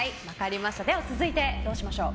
続いて、どうしましょう？